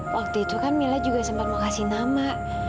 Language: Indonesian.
waktu itu kan mila juga sempat mau kasih nama